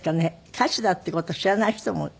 歌手だっていう事を知らない人もいる？